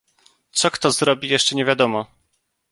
"Co kto zrobi, jeszcze nie wiadomo."